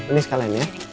ini sekalian ya